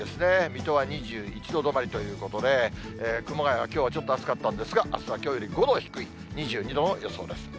水戸は２１度止まりということで、熊谷はきょうはちょっと暑かったんですが、あすはきょうより５度低い２２度の予想です。